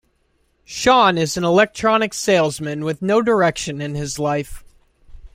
Shaun is an electronics salesman with no direction in his life.